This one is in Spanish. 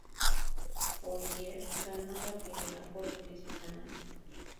Poirier ganó la pelea por decisión unánime.